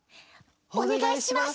おねがいします！